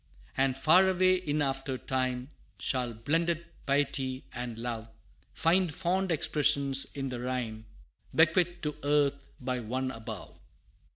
And far away in after time, Shall blended Piety and Love Find fond expression in the rhyme, Bequeathed to earth by One above.